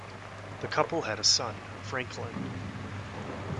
The couple had a son, Franklin.